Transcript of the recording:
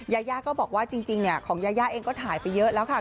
ยายาก็บอกว่าจริงของยายาเองก็ถ่ายไปเยอะแล้วค่ะ